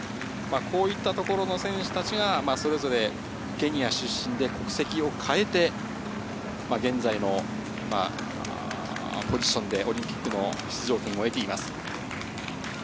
こういったところの選手たちが、それぞれケニア出身で国籍を変えて、現在のポジションでオリンピックの出場権を得ています。